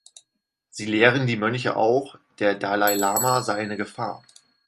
Sie lehren die Mönche auch, der Dalai Lama sei eine Gefahr.